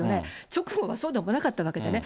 直後はそうでもなかったわけでね。